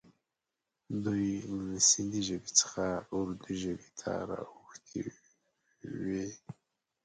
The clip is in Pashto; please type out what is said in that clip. دوی له سیندي ژبې څخه اردي ژبې ته را اوښتي وي.